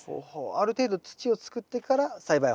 ある程度土をつくってから栽培を始めると。